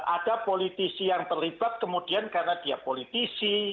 ada politisi yang terlibat kemudian karena dia politisi